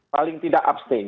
paling tidak abstain